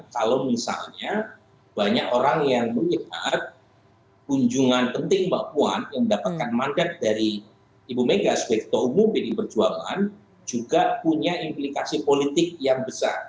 kalau misalnya banyak orang yang mengingat kunjungan penting mbak puan yang mendapatkan mandat dari ibu mega sebagai ketua umum pdi perjuangan juga punya implikasi politik yang besar